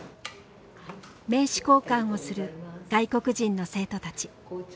名刺交換をする外国人の生徒たち。